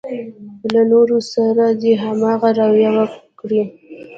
له نورو سره دې هماغه رويه وکړي.